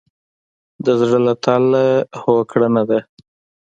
د زړه له تله هوکړه نه ده.